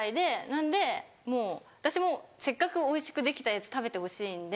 なんでもう私もせっかくおいしくできたやつ食べてほしいんで。